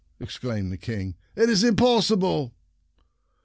" exclaimed the King. "It is impossible!"